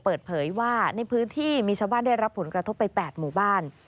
เปิดเผยว่าในพื้นที่มีชาวบ้านได้รับผลกระทบไป๘หมู่บ้าน